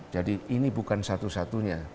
jadi ini bukan satu satunya